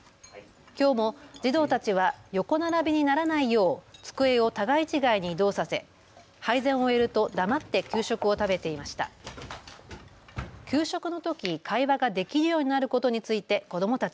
きょうも児童たちは横並びにならないよう机を互い違いに移動させ配膳を終えると黙って給食を食べていました。